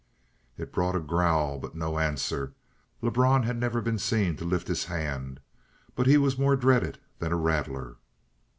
It brought a growl, but no answer. Lebrun had never been seen to lift his hand, but he was more dreaded than a rattler.